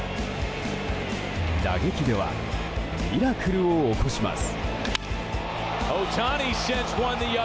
打撃ではミラクルを起こします。